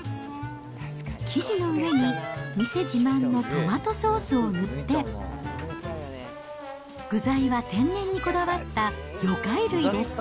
生地の上に店自慢のトマトソースを塗って、具材は天然にこだわった魚介類です。